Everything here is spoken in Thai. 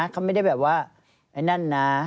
เขาไม่ได้แบบว่าไอ้นั่นนะ